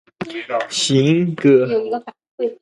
行，哥！